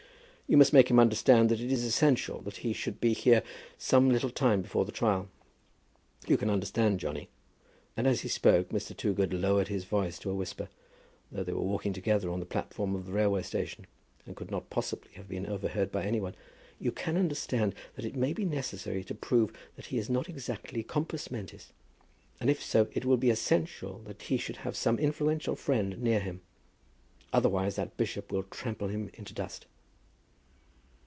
You must make him understand that it is essential that he should be here some little time before the trial. You can understand, Johnny," and as he spoke Mr. Toogood lowered his voice to a whisper, though they were walking together on the platform of the railway station, and could not possibly have been overheard by any one. "You can understand that it may be necessary to prove that he is not exactly compos mentis, and if so it will be essential that he should have some influential friend near him. Otherwise that bishop will trample him into dust."